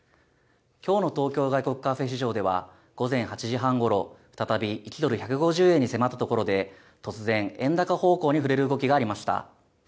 きょうの東京外国為替市場では午前８時半ごろ、再び１ドル１５０円に迫ったところで突然、円高方向に振れる動きがありました。